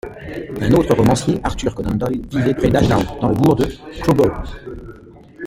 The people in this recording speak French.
Un autre romancier, Arthur Conan Doyle, vivait près d’Ashdown, dans le bourg de Crowborough.